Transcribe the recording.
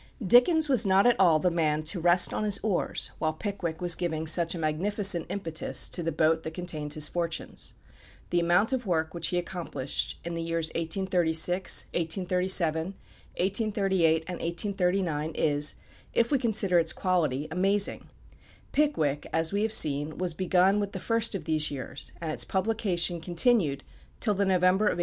Dickens was not at all the man to rest on his oars while "Pickwick" was giving such a magnificent impetus to the boat that contained his fortunes. The amount of work which he accomplished in the years 1836, 1837, 1838, and 1839 is, if we consider its quality, amazing. "Pickwick," as we have seen, was begun with the first of these years, and its publication continued till the November of 1837.